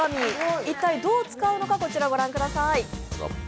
一体どう使うのか、こちら御覧ください。